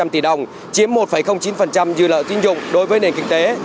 bốn ba trăm linh tỷ đồng chiếm một chín dư nợ tín dụng đối với nền kinh tế